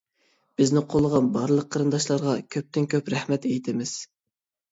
بىزنى قوللىغان بارلىق قېرىنداشلارغا كۆپتىن-كۆپ رەھمەت ئېيتىمىز.